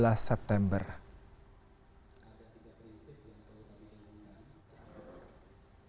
ada tiga prinsip yang perlu kami cekungkan